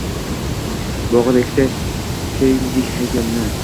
«Bog’ida ikkita fildek haykalni